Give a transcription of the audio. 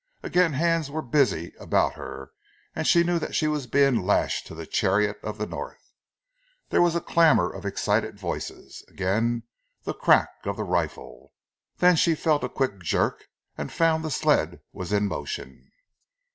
Again hands were busy about her, and she knew that she was being lashed to the chariot of the North. There was a clamour of excited voices, again the crack of the rifle, then she felt a quick jerk, and found the sled was in motion.